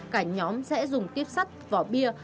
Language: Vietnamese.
cả nhóm sẽ dùng tuyết sắt vỏ bia